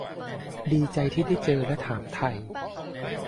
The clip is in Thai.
ดีใจที่ได้เจอ และถามไถ่